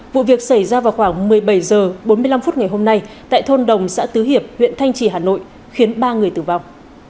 vụ việc xảy ra vào khoảng một mươi bảy h bốn mươi năm phút ngày hôm nay tại thôn đồng xã tứ hiệp huyện thanh trì hà nội khiến ba người tử vong